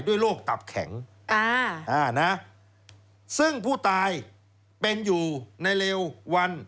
โรคตับแข็งซึ่งผู้ตายเป็นอยู่ในเร็ววัน